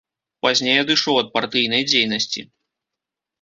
Пазней адышоў ад партыйнай дзейнасці.